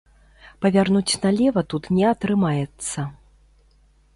Павярнуць налева тут не атрымаецца.